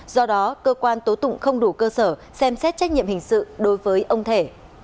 do đó cơ quan tố tụng không đủ cơ sở xem xét trách nhiệm hình sự đối với ông thể